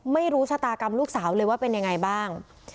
ไม่รู้ชะตากรรมลูกสาวเลยว่าเป็นยังไงบ้าง